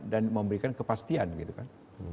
dan memberikan kepastian gitu kan